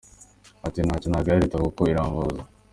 Ati “Ntacyo nagaya Leta kuko iramvuza.